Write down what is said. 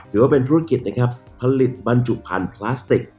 ถือว่าเป็นธุรกิจนะครับผลิตบรรจุพันธุ์พลาสติก